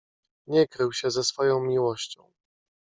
"Nie krył się ze swoją miłością."